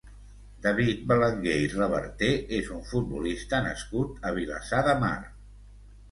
David Belenguer i Reverter és un futbolista nascut a Vilassar de Mar.